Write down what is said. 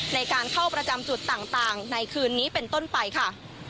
ในการเข้าประจำจุดต่างในคืนนี้เป็นต้นไปค่ะ